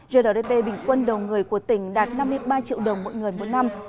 grdp bình quân đầu người của tỉnh đạt năm mươi ba triệu đồng mỗi người một năm